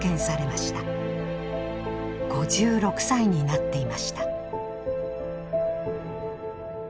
５６歳になっていました。